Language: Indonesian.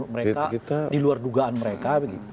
mereka di luar dugaan mereka begitu